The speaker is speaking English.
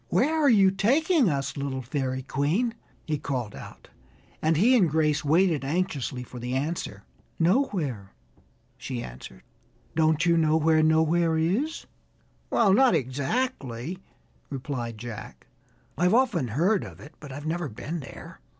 Where are you taking us, little Fairy Queen?" he called out, and he and Grace waited anxiously for the answer. "Nowhere!" she answered. "Don't you know where Nowhere is?" "Well, not exactly," replied Jack. "I've often heard of it, but I've never been there."